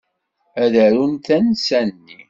Ad arunt tansa-nni.